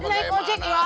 naik ojek ya